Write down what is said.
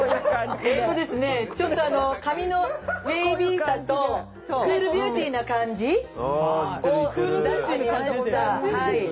えっとですねちょっと髪のウェービーさとクールビューティーな感じを出してみました。